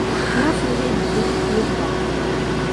L’un fut réédité, l’autre pas.